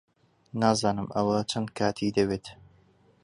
نازانم ئەوە چەند کاتی دەوێت.